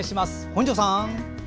本庄さん。